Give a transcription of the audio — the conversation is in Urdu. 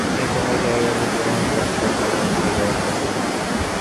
یہ کہا جائے گا کہ فلاں شخص کا فلاں عقیدہ کفر ہے